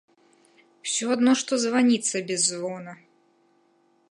Усё адно, што званіца без звона!